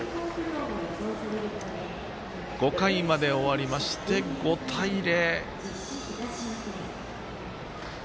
５回まで終わりまして５対０。